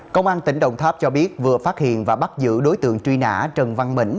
công an tỉnh đồng tháp cho biết vừa phát hiện và bắt giữ đối tượng truy nã trần văn mẫn